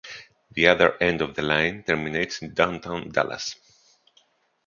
The other end of the line terminates in downtown Dallas.